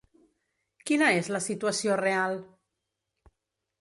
Quina és la situació real?